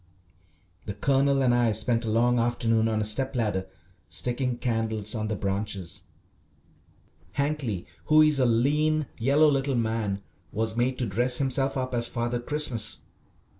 The Colonel and I spent a long afternoon on a step ladder sticking candles on the branches. Hankly, who is a lean, yellow little man, was made to dress himself up as "Father Christmas."